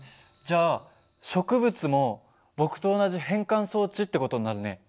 じゃあ植物も僕と同じ変換装置って事になるね。